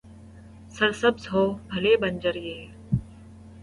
سر سبز ہو، بھلے بنجر، یہ